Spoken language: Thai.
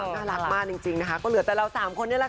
น่ารักมากจริงก็เหลือแต่เรา๓คนนี่ล่ะค่ะ